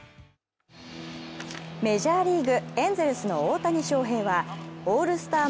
メジャーリーグ、エンゼルスの大谷翔平はオールスター